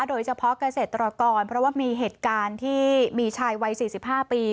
โดยเฉพาะเกษตรกรเพราะว่ามีเหตุการณ์ที่มีชายวัย๔๕ปี